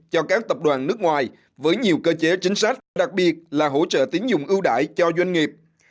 cho các tập đoàn nước ngoài với nhiều cơ chế chính sách đặc biệt là hỗ trợ tiến dụng ưu đại cho doanh nghiệp